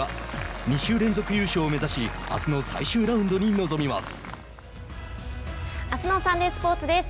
２週連続優勝を目指しあすの最終ラウンドに臨みます。